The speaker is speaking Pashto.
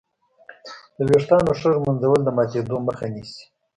د وېښتانو ښه ږمنځول د ماتېدو مخه نیسي.